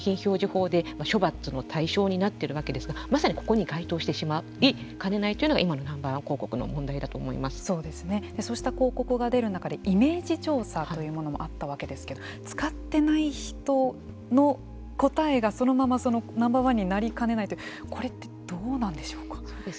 こういったものは景品表示法で処罰の対象になっているわけですがまさにここに該当してしまいかねないというのが今のＮｏ．１広告のそうした広告が出る中でイメージ調査というものもあったわけですけれども使ってない人の答えがそのままＮｏ．１になりかねないというこれってどうなんでしょうか。